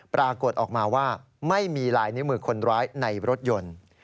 ปรากฏออกมาว่าไม่มีลายนิ้วมือคนร้ายในรถยนต์